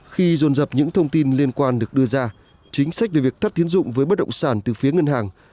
khi dồn dập những thông tin liên quan được đưa ra chính sách về việc thắt thiến dụng với bất đồng sản từ phía ngân hàng